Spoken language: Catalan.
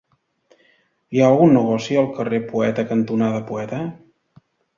Hi ha algun negoci al carrer Poeta cantonada Poeta?